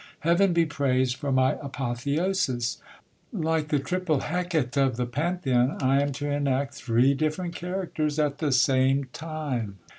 Heaven be praised for my apotheosis ! Like the triple Hecate of the Pantheon, I am to enact three different characters at the same time.